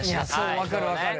そう分かる分かる。